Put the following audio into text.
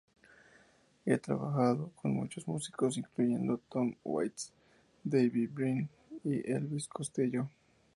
Ha trabajado con muchos músicos, incluyendo Tom Waits, David Byrne, y Elvis Costello.